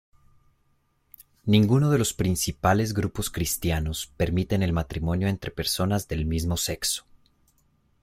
Ninguno de los principales grupos cristianos permiten el matrimonio entre personas del mismo sexo.